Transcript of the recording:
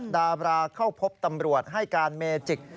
ดาบราเข้าพบตำรวจให้การเมจิก